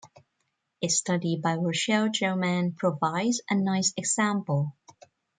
A study by Rochel Gelman provides a nice example.